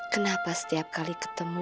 kenapa setiap kali ketemu